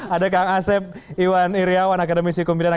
ada kang asep iwan iryawan akademisi hukum pidana